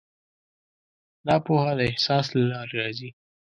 دا پوهه د احساس له لارې راځي.